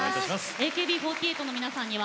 ＡＫＢ４８の皆さんです。